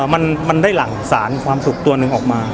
มันได้หลั่งสารความสุขตัวหนึ่งออกมา